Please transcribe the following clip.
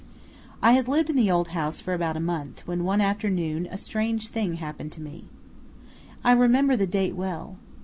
I had lived in the old house for about a month, when one afternoon a strange thing happened to me. I remember the date well.